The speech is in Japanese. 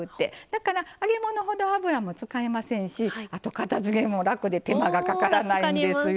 だから揚げ物ほど油も使いませんし後片づけも楽で手間がかからないんですよ。